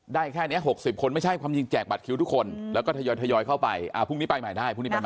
ได้แค่นี้๖๐คนไม่ใช่ความยิงแจกบัตรคิวทุกคนแล้วก็ทยอยเข้าไปพรุ่งนี้ไปใหม่ได้